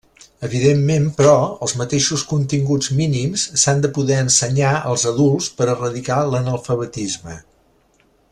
Evidentment, però, els mateixos continguts mínims s'han de poder ensenyar als adults per erradicar l'analfabetisme.